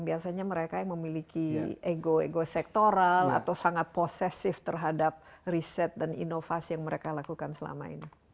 biasanya mereka yang memiliki ego ego sektoral atau sangat posesif terhadap riset dan inovasi yang mereka lakukan selama ini